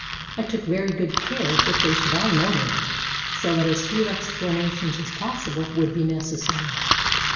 I took very good care that they should all know me, so that as few explanations as possible would be necessary.